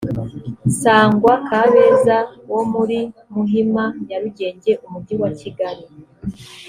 sangwa kabeza wo muri muhima nyarugenge umujyi wa kigali